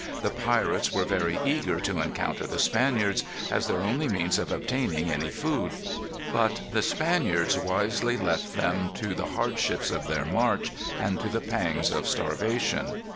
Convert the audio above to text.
The pirates were very eager to encounter the Spaniards, as their only means of obtaining any food. But the Spaniards wisely left them to the hardships of their march and to the pangs of starvation.